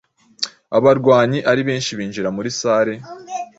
abarwanyi ari benshi binjira muri sale